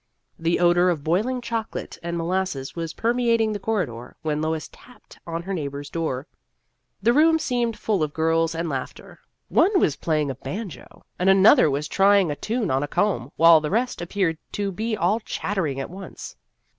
The odor of boiling chocolate and mo lasses was permeating the corridor, when Lois tapped on her neighbor's door. The room seemed full of girls and laughter. One was playing a banjo, and another was trying a tune on a comb, while the rest ap peared to be all chattering at once.